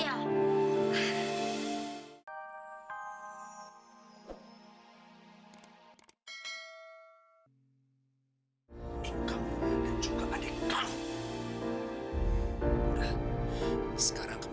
aku akan bunuh kamu dan curi ibu kamu